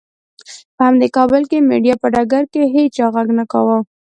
په همدې کابل کې مېډیا په ډګر کې هېچا غږ نه کاوه.